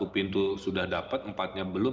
satu pintu sudah dapat empat nya belum